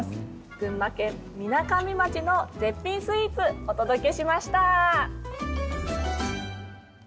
群馬県みなかみ町の絶品スイーツ、お届けしました。